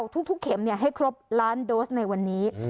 เข็มให้ครบล้านโดสในวันนี้